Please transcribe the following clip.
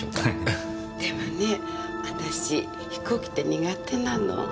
でもね私飛行機って苦手なの。